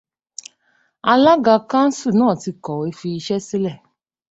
Alága Káńsù náà ti kọ̀wé fi iṣẹ́ sílẹ̀.